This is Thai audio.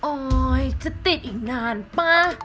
โอ๊ยจะติดอีกนานป่ะ